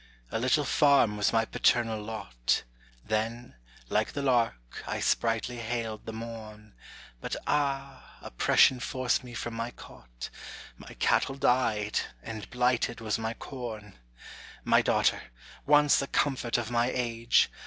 A little farm was my paternal lot, Then, like the lark, I sprightly hailed the morn; But ah! oppression forced me from my cot; My cattle died, and blighted was my corn. My daughter, once the comfort of my age!